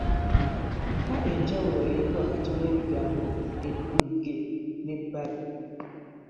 Mpa enjawulo eri wakati w'ebigambo eddugge n'ebbabe.